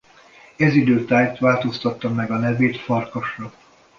Ez idő tájt változtatta meg a nevét Farkasra.